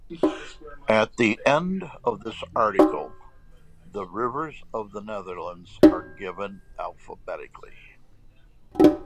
At the end of this article the rivers of the Netherlands are given alphabetically.